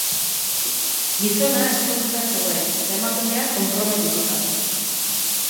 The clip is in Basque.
Gizona ezkonduta zegoen eta emakumea, konprometituta.